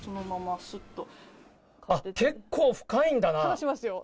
あっ、結構深いんだな。